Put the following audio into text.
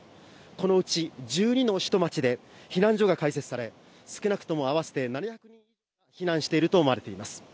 このうち１２の市と町で避難所が開設され、少なくとも合わせて７００人以上が避難していると思われます。